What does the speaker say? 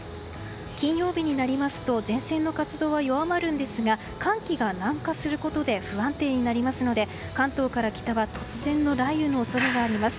金曜日になりますと前線の活動は弱まるんですが寒気が南下することで不安定になりますので関東から北は突然の雷雨の恐れがあります。